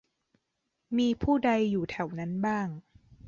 มีผู้ใดอยู่แถวนั้นบ้าง